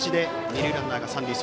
二塁ランナーが三塁へ。